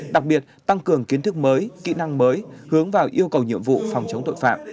đặc biệt tăng cường kiến thức mới kỹ năng mới hướng vào yêu cầu nhiệm vụ phòng chống tội phạm